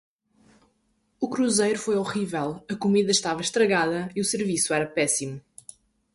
O cruzeiro foi horrível, a comida estava estragada e o serviço era péssimo.